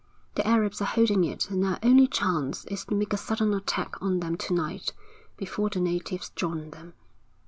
The Arabs are holding it and our only chance is to make a sudden attack on them to night before the natives join them.